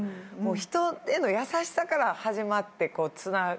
人への優しさから始まってつながって。